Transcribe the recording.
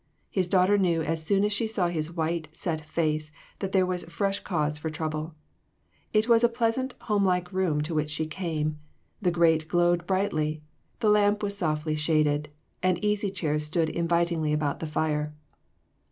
His daughter knew as soon as she saw his white, set face, that there was fresh cause for trouble. It was a pleasant, home like room to which she came ; the grate glowed brightly, the lamp was softly shaded, and easy chairs stood invitingly about the fire.